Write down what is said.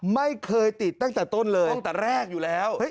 ไม่เคยติดตั้งแต่ต้นเลยตั้งแต่แรกอยู่แล้ว